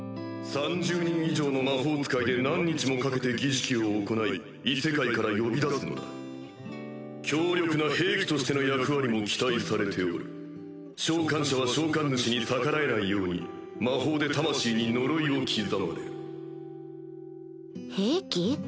３０人以上の魔法使いで何日もかけて儀式を行い異世界から呼び出すのだ強力な兵器としての役割も期待されておる召喚者は召喚主に逆らえないように魔法で魂に呪いを刻まれる兵器？